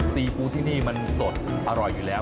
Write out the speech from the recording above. ซีฟู้ดที่นี่มันสดอร่อยอยู่แล้ว